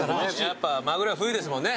やっぱマグロは冬ですもんね。